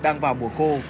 đang vào mùa khô